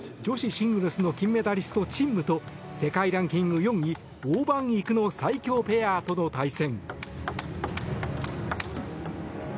女子シングルの金メダリストチン・ムと世界ランキング１位のオウ・バンイクの最強ペアとの対戦。